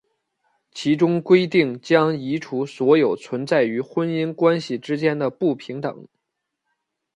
其中规定将移除所有存在于婚姻关系之间的不平等。